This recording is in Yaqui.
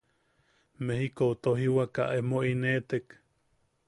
Mejikou tojiwaka emo ineʼetek.